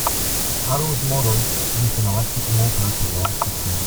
Arrow's models used an electric motor to launch the train.